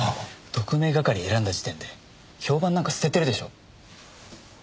特命係選んだ時点で評判なんか捨ててるでしょ。